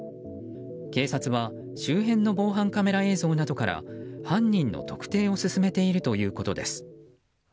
警察は周辺の防犯カメラ映像などから犯人の特定を進めているということです。